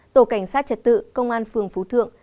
tổ cảnh sát trật tự công an phường phú thượng